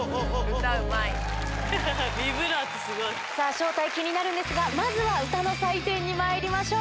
歌、うまい。さあ、正体、気になるんですが、まずは歌の採点にまいりましょう。